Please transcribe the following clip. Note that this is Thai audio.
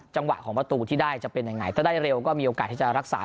จังหวะของประตูที่ได้จะเป็นยังไงถ้าได้เร็วก็มีโอกาสที่จะรักษา